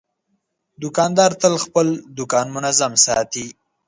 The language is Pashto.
دوکاندار تل خپل دوکان منظم ساتي.